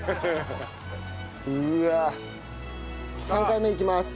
３回目いきます。